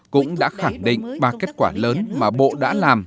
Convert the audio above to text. cũng đã khẳng định ba kết quả lớn mà bộ đã làm